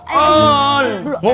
saya mau berubah